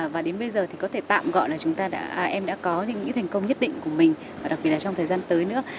và đến bây giờ thì có thể tạm gọi là em đã có những thành công nhất định của mình đặc biệt là trong thời gian tới nữa